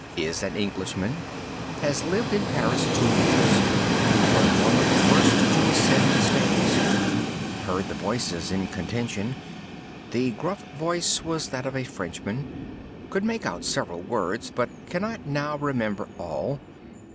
Is an Englishman. Has lived in Paris two years. Was one of the first to ascend the stairs. Heard the voices in contention. The gruff voice was that of a Frenchman. Could make out several words, but cannot now remember all.